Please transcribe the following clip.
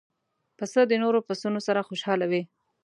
پسه د نور پسونو سره خوشاله وي.